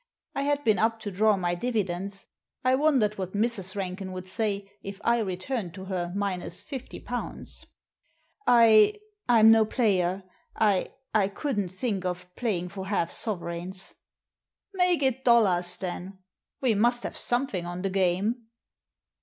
I had been up to draw my dividends; I wondered what Mrs. Ranken would say if I returned to her minus fifty pounds !I — Fm no player. I — I couldn't think of playing for half sovereigns." " Make it dollars then. We must have something on the game."